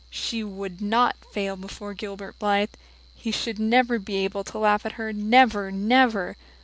She would not fail before Gilbert Blythe he should never be able to laugh at her, never, never!